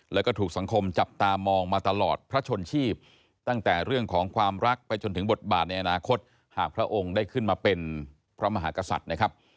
แล้วก็ถูกสังคมจับตามองมาตลอดพระชนชีพตั้งแต่เรื่องของความรักไปจนถึงบทบาทในอนาคตหากพระองค์ได้ขึ้นมาเป็นพระมหากษัตริย์นะครับ